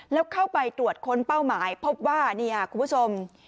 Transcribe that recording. แล้วเข้าไปตรวจค้นเป้าหมายพบว่านี่ค่ะคุณผู้ชม